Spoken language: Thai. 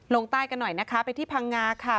ลงใต้กันหน่อยนะคะไปที่พังงาค่ะ